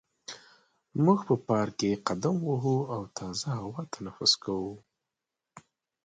موږ په پارک کې قدم وهو او تازه هوا تنفس کوو.